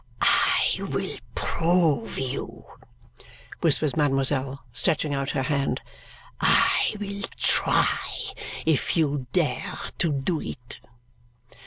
"I will prove you," whispers mademoiselle, stretching out her hand, "I will try if you dare to do it!"